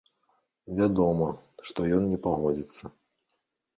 Вядома, што ён не пагодзіцца.